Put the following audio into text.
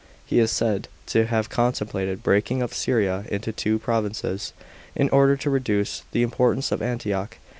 He is said to have contemplated breaking up Syria into two provinces, in order to reduce the importance of Antioch.